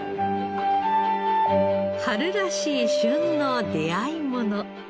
春らしい旬の出会いもの。